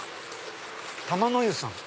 玉の湯さん。